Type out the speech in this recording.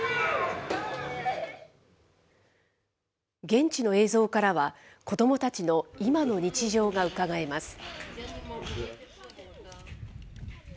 現地の映像からは、子どもたちの今の日常がうかがえます。